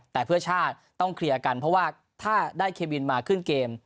แต่เพื่อชาติต้องเคลียร์กันเพราะว่าถ้าได้เควินมาขึ้นเกม